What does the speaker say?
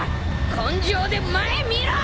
根性で前見ろ！